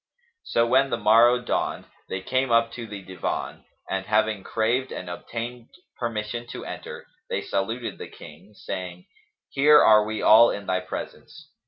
So when the morrow dawned, they came up to the Divan and, having craved and obtained permission to enter, they saluted the King, saying, "Here are we all in thy presence."